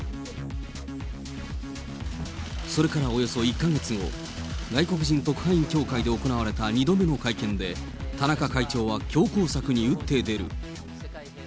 それからおよそ１か月後、外国人特派員協会で行われた２度目の会見で、田中会長は強硬策に打って出る。